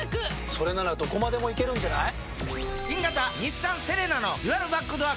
それならどこまでも行けるんじゃない？